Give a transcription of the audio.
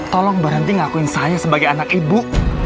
tolong berhenti ngakuin saya sebagai anak ibu